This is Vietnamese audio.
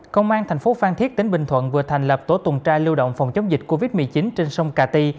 công an tp hcm vừa thành lập tổ tùng tra lưu động phòng chống dịch covid một mươi chín trên sông cà ti